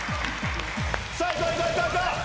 さあいこういこう！